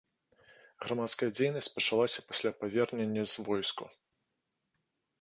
Грамадская дзейнасць пачалася пасля павернення з войску.